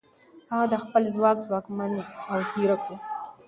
هغه د خپل ځواک ځواکمن او ځیرک و.